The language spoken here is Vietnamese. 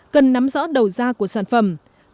cần nắm rõ đầu da của sản phẩm